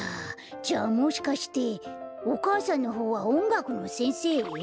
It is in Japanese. じゃあもしかしておかあさんのほうはおんがくのせんせい？